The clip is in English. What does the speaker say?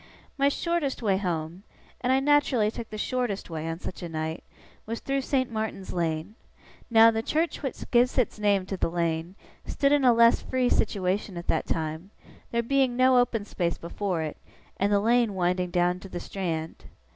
My shortest way home, and I naturally took the shortest way on such a night was through St. Martin's Lane. Now, the church which gives its name to the lane, stood in a less free situation at that time; there being no open space before it, and the lane winding down to the Strand.